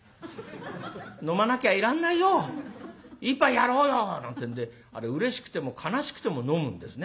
飲まなきゃいらんないよ。一杯やろうよ」なんてえんであれうれしくても悲しくても飲むんですね。